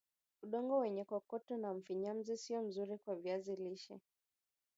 udongo wenye kokoto na mfinyamzi sio mzuri kwa viazi lishe